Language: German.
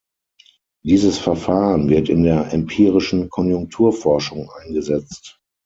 Dieses Verfahren wird in der empirischen Konjunkturforschung eingesetzt.